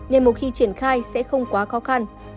nên một khi triển khai sẽ không quá khó khăn